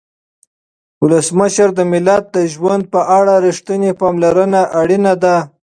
ولسمشره د ملت د ژوند په اړه رښتینې پاملرنه اړینه ده.